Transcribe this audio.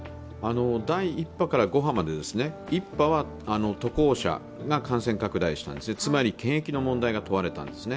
第１波から第５波まで、第１波は渡航者が感染拡大したんですね、つまり検疫の問題が問われたんですね。